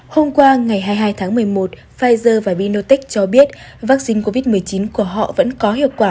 hôm qua ngày hai mươi hai tháng một mươi một pfizer và biontech cho biết vaccine covid một mươi chín của họ vẫn có hiệu quả một trăm linh